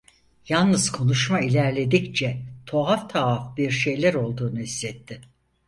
Yalnız konuşma ilerledikçe tuhaf tuhaf bir şeyler olduğunu hissetti…